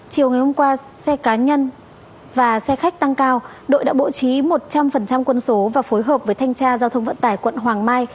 chiều ngày hôm qua xe cá nhân và xe khách tăng cao đội đã bố trí một trăm linh quân số và phối hợp với thanh tra giao thông vận tải quận hoàng mai